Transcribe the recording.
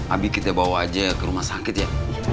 abis kita bawa aja ke rumah sakit ya